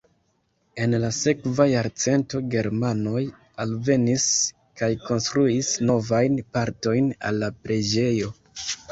En la sekva jarcento germanoj alvenis kaj konstruis novajn partojn al la preĝejo.